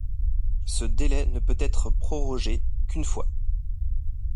Ce délai ne peut être prorogé qu’une fois.